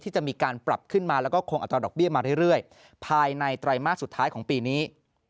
จะมีการปรับขึ้นมาแล้วก็คงอัตราดอกเบี้ยมาเรื่อยภายในไตรมาสสุดท้ายของปีนี้